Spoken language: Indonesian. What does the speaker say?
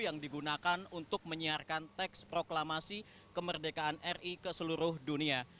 yang digunakan untuk menyiarkan teks proklamasi kemerdekaan indonesia